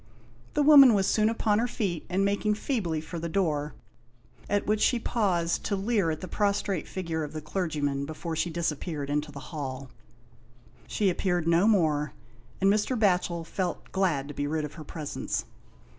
The woman was soon upon her feet and making 136 THE INDIAN LAMP SHADE. feebly for the door, at which she paused to leer at the prostrate figure of the clergyman before she disappeared into the hall. She appeared no more, and Mr. Batchel felt glad to be rid of her presence.